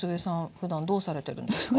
ふだんどうされてるんですか？